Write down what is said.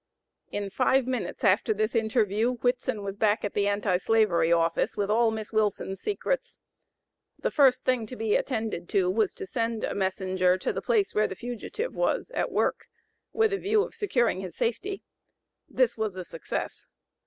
In five minutes after this interview Whitson was back to the Anti slavery Office with all Miss Wilson's secrets. The first thing to be attended was to send a messenger to the place where the fugitive was at work, with a view of securing his safety; this was a success.